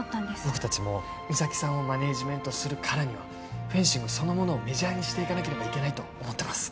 僕達も三咲さんをマネージメントするからにはフェンシングそのものをメジャーにしていかなければいけないと思ってます